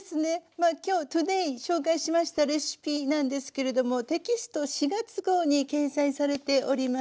まあきょうｔｏｄａｙ紹介しましたレシピなんですけれどもテキスト４月号に掲載されております。